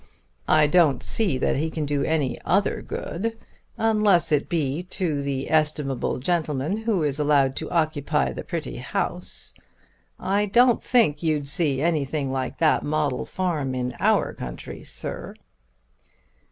I don't see that he can do any other good, unless it be to the estimable gentleman who is allowed to occupy the pretty house. I don't think you'd see anything like that model farm in our country, Sir."